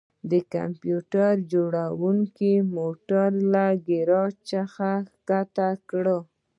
د کمپیوټر جوړونکي موټر له ګراج څخه ښکته کړ